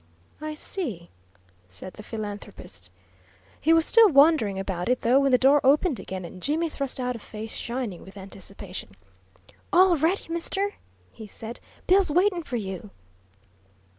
"I see," said the philanthropist. He was still wondering about it, though, when the door opened again, and Jimmy thrust out a face shining with anticipation. "All ready, mister!" he said. "Bill's waitin' for you!"